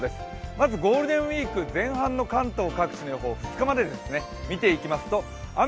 まずゴールデンウイーク前半の関東各地の予報、２日までですね。